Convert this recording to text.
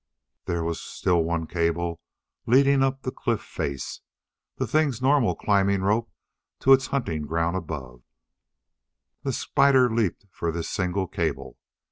There was still one cable leading up the cliff face the thing's normal climbing rope to its hunting ground above. The spider leaped for this single cable.